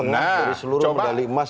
nah coba lihat